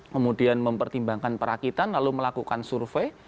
kemudian mempertimbangkan perakitan lalu melakukan survei